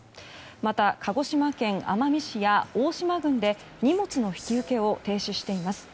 また鹿児島県奄美市や大島郡で荷物の引き受けを停止しています。